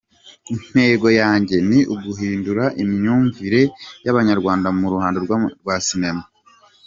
Intego yanjye ni uguhindura imyumvire y'abanyarwanda m’uruhando rwa cinema.